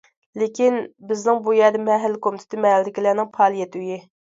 لېكىن بىزنىڭ بۇ يەردە مەھەللە كومىتېتى مەھەللىدىكىلەرنىڭ پائالىيەت ئۆيى.